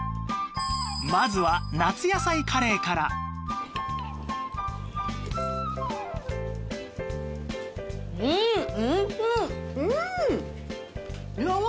まずは夏野菜カレーからん美味しい！